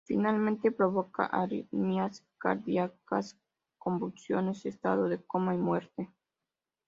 Finalmente provoca arritmias cardiacas, convulsiones, estado de coma y muerte.